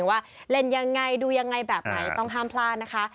ว่าเล่นยังไงดูยังไงแบบไหนต้องห้ามพลาดนะคะ